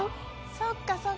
そっかそっか。